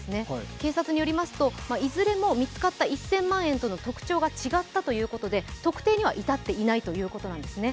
警察によりますと、いずれも見つかった１０００万円との特徴が違ったということで特定には至ってないということなんですね。